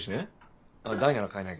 大なら替えないけど。